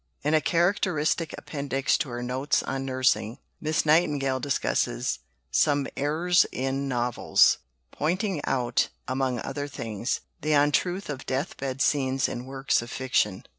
In a characteristic appendix to her Notes on Nursing, Miss Nightingale discusses "Some Errors in Novels," pointing out, among other things, the untruth of death bed scenes in works of fiction.